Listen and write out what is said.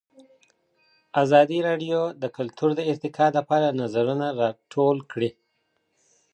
ازادي راډیو د کلتور د ارتقا لپاره نظرونه راټول کړي.